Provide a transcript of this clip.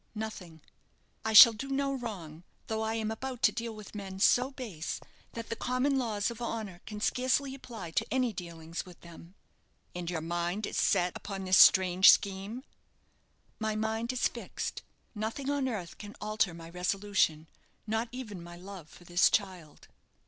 "Nothing. I shall do no wrong; though I am about to deal with men so base that the common laws of honour can scarcely apply to any dealings with them." "And your mind is set upon this strange scheme?" "My mind is fixed. Nothing on earth can alter my resolution not even my love for this child."